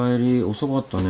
遅かったね。